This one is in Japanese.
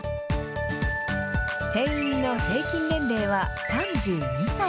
店員の平均年齢は３２歳。